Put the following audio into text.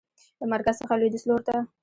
د مرکز څخه لویدیځ لورته